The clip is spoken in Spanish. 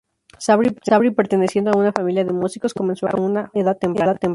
Sabri, perteneciendo a una familia de músicos, comenzó a cantar a una edad temprana.